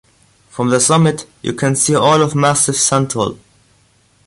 From the summit, you can see all of Massif Central.